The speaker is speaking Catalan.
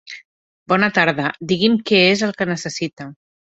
Bona tarda, digui'm què és el que necessita.